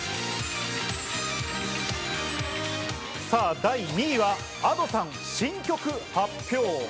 第２位はＡｄｏさん新曲発表。